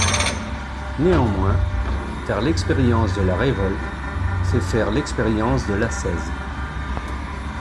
Néanmoins, faire l'expérience de la révolte, c'est faire l'expérience de l'ascèse.